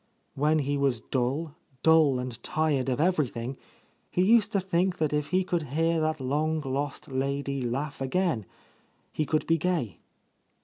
When he was dull, dull and tired of everything, he used to think that if he could hear that long lost lady laugh again, he could be gay.